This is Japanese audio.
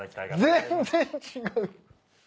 全然違う。